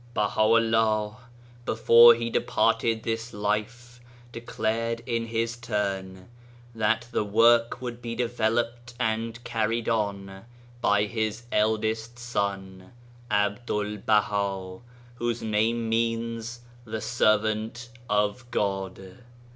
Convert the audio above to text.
^ Baha'u'llah, before he departed this life, de clared, in his turn, that the work would be developed and carried on by his eldest son, Abdul Baha, whose name means ' the Servant of God.'